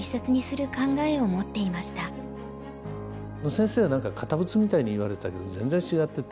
先生は堅物みたいにいわれたけど全然違ってて。